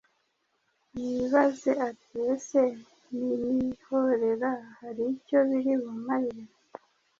yibaze ati ese ninihorera hari icyo biri bumarire